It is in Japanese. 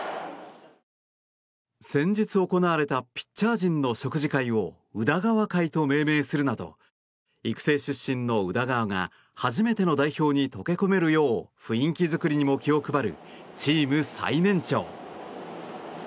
先日行われたピッチャー陣の食事会を宇田川会と命名するなど育成出身の宇田川が初めての代表に溶け込めるよう雰囲気づくりにも気を配るチーム最年長。